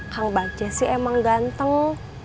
kang bagja sih emang ganteng